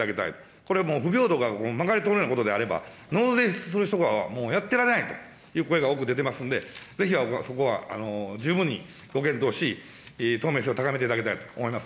これもう、不平等がまかり通るようなことであれば、納税する人が、もうやってられないという声が多く出てますので、ぜひ、そこは十分にご検討し、透明性を高めていただきたいと思います。